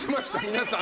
皆さん。